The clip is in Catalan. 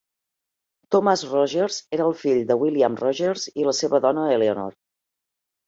Thomas Rogers era el fill de William Rogers i la seva dona Eleanor.